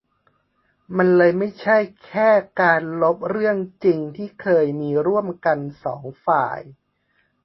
มันเลยไม่ใช่แค่การลบเรื่องจริงที่เคยมีร่วมกันสองฝ่าย